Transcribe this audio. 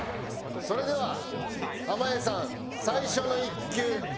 それでは濱家さん最初の１球お願いします。